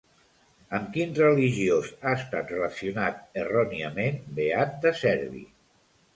Amb quin religiós ha estat relacionat erròniament Beat de Cerbi?